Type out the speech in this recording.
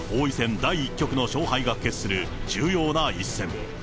第１局の勝敗が決する重要な一戦。